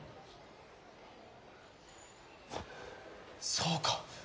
そうか！